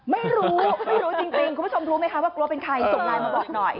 ไม่รู้ไม่รู้จริงคุณผู้ชมรู้ไหมคะว่ากลัวเป็นใครส่งไลน์มาบอกหน่อย